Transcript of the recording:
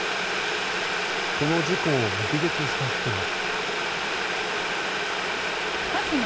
この事故を目撃した人は。